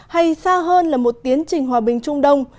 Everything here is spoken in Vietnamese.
hay xa hơn là một tiến trình hòa bình trung đông